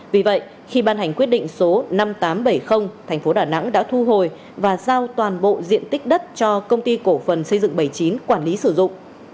vì vậy khi ban hành quyết định số năm nghìn tám trăm bảy mươi tp đà nẵng đã thu hồi và giao toàn bộ diện tích đất cho công ty cổ phần xây dựng bảy mươi chín quản lý sử dụng